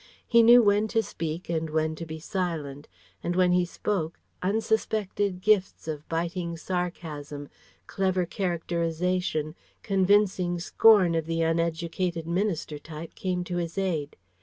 He knew when to speak and when to be silent; and when he spoke unsuspected gifts of biting sarcasm, clever characterization, convincing scorn of the uneducated minister type came to his aid.